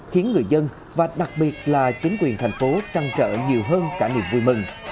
khiến người dân và đặc biệt là chính quyền thành phố trăng trở nhiều hơn cả niềm vui mừng